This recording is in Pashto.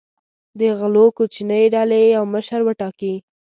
د غلو کوچنۍ ډلې یو مشر وټاکي.